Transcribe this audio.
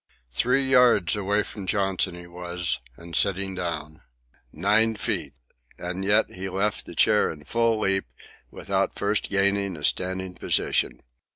Three yards away from Johnson he was, and sitting down. Nine feet! And yet he left the chair in full leap, without first gaining a standing position.